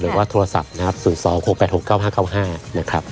หรือว่าโทรศัพท์นะครับ๐๒๖๘๖๙๕๙๕นะครับ